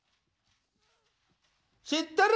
知ってる？